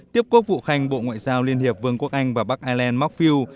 tiếp quốc vụ khanh bộ ngoại giao liên hiệp vương quốc anh và bắc ireland mockfield